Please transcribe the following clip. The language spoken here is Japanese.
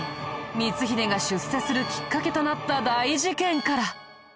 光秀が出世するきっかけとなった大事件から。